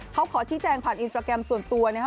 เขาขอชี้แจงผ่านอินสตราแกรมส่วนตัวนะครับ